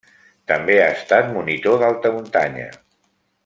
També ha estat monitor d'alta muntanya.